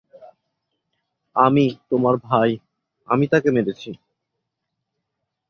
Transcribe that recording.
আমি, তোমার ভাই, আমি তাকে মেরেছি।